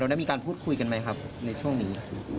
ได้มีการพูดคุยกันไหมครับในช่วงนี้